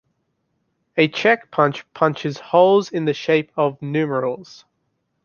A check punch punches holes in the shapes of numerals.